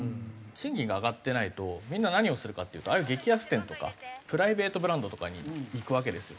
賃金が上がってないとみんな何をするかっていうとああいう激安店とかプライベートブランドとかに行くわけですよ。